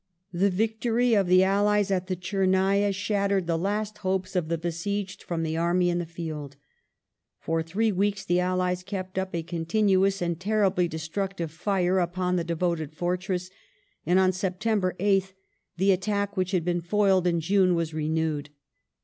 The victory of the allies at the Tchernaya shattered the last hopes of the besieged from the army in the field. For thi*ee weeks the allies kept up a continu ous and ten ibly destructive fire upon the devoted fortress, and on September 8th the attack which had been foiled in June was renewed.